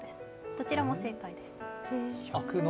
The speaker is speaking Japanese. どちらも正解です。